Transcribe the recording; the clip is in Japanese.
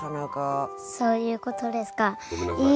そういう事ですか。